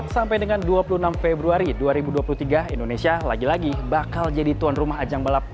sampai dengan dua puluh enam februari dua ribu dua puluh tiga indonesia lagi lagi bakal jadi tuan rumah ajang balap